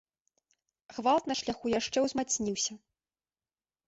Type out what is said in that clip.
Гвалт на шляху яшчэ ўзмацніўся.